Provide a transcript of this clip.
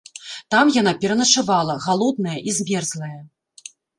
Там яна пераначавала, галодная і змерзлая.